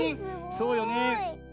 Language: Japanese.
そうよね。